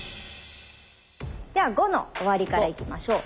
では５の終わりからいきましょう。